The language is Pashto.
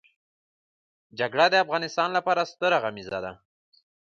جګړه د انسان لپاره ستره غميزه ده